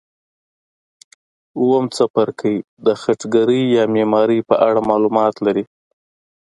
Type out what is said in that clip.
اووم څپرکی د خټګرۍ یا معمارۍ په اړه معلومات لري.